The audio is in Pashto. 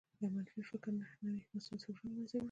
يو منفي فکر نهه نوي مثبت فکرونه لمنځه وړي